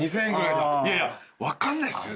いやいや分かんないっすよ。